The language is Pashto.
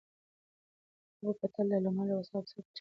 هغوی به تل له عالمانو او اصحابو سره په چارو کې مشوره کوله.